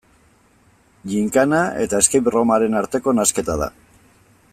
Ginkana eta escape room-aren arteko nahasketa da.